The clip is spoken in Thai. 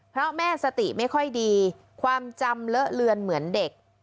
เพราะแม่สติไม่ค่อยดีความจำเลอะเลือนเหมือนเด็ก